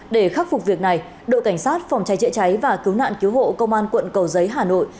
để khắc phục việc này đội cảnh sát phòng cháy chữa cháy và cứu nạn cứu hộ công an quận cầu giấy hà nội